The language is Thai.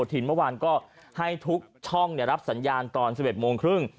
เมื่อวานก็ให้ทุกช่องรับสัญญาณตอน๑๑โมงครึ่ง